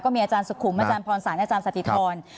มีอาจารย์สุขุมอาจารย์พรศาลอาจารย์สติธร